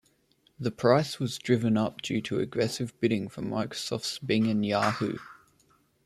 The price was driven up due to aggressive bidding from Microsoft's Bing and Yahoo!